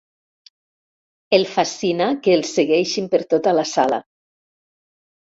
El fascina que el segueixin per tota la sala.